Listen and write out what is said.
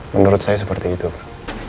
menurut saya seperti itu pak